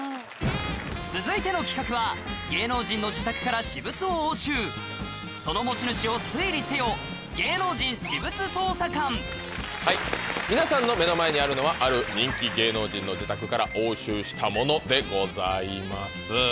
続いての企画はその持ち主を推理せよ皆さんの目の前にあるのはある人気芸能人の自宅から押収したものでございます。